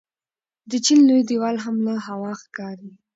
د چین لوی دیوال هم له هوا ښکاري.